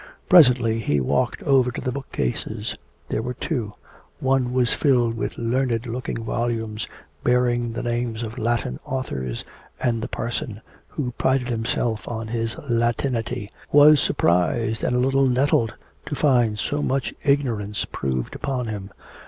Presently he walked over to the book cases. There were two: one was filled with learned looking volumes bearing the names of Latin authors; and the parson, who prided himself on his Latinity, was surprised, and a little nettled, to find so much ignorance proved upon him.